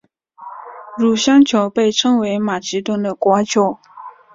乳香酒被认为是马其顿的国酒。